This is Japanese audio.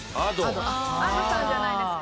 Ａｄｏさんじゃないですか？